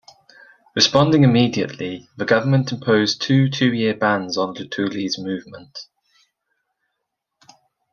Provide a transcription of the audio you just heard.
Responding immediately, the government imposed two two-year bans on Lutuli's movement.